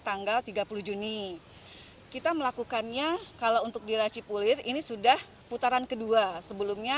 tanggal tiga puluh juni kita melakukannya kalau untuk di racipulir ini sudah putaran kedua sebelumnya